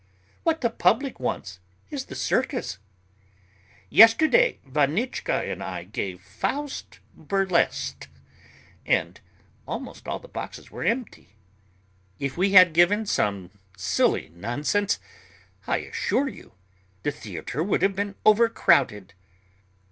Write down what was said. "What the public wants is the circus. Yesterday Vanichka and I gave Faust Burlesqued, and almost all the boxes were empty. If we had given some silly nonsense, I assure you, the theatre would have been overcrowded.